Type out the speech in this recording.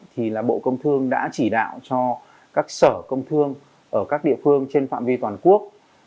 thì là bộ công thương đã chỉ đạo cho các sở công thương ở các địa phương trên phạm vi toàn quốc